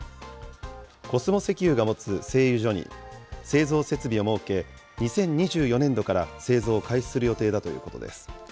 コスモ石油が持つ製油所に製造設備を設け、２０２４年度から製造を開始する予定だということです。